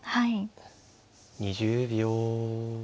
２０秒。